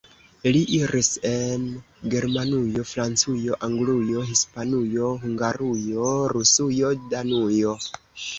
Li iris en Germanujo, Francujo, Anglujo, Hispanujo, Hungarujo, Rusujo, Danujo.